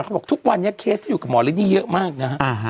เขาบอกทุกวันนี้เคสอยู่กับหมอลินนี่เยอะมากนะฮะ